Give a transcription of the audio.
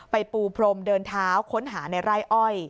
ปูพรมเดินเท้าค้นหาในไร่อ้อย